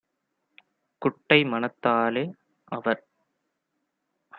குட்டை மனத்தாலே - அவர்